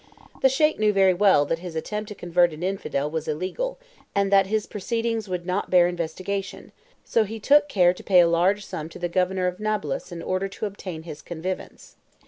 The Sheik knew very well that his attempt to convert an infidel was illegal, and that his proceedings would not bear investigation, so he took care to pay a large sum to the Governor of Nablus in order to obtain his connivance.